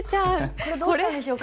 これどうしたんでしょうか？